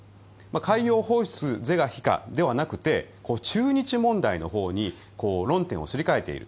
海洋放出、是か非かではなくて中日問題のほうに論点をすり替えている。